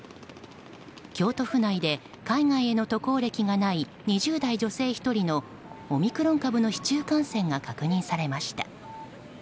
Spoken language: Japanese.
京都府内で海外への渡航歴がない２０代女性１人のオミクロン株の市中感染が確認されました。